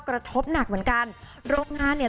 กระทบหนักเหมือนกันโรงงานเนี่ย